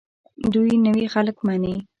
دوی نوي خلک مني.